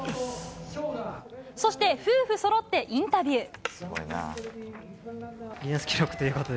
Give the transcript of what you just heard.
そして夫婦そろってインタビュー。